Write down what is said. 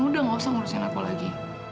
udah gak usah ngurusin aku lagi